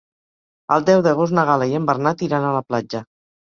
El deu d'agost na Gal·la i en Bernat iran a la platja.